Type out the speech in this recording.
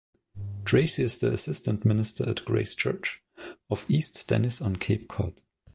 Tracy is the Assistant Minister at Grace Church of East Dennis on Cape Cod.